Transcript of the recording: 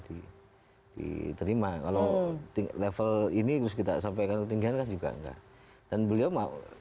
diterima kalau level ini harus kita sampaikan ketinggian kan juga enggak dan beliau mau